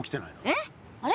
えっ？あれ？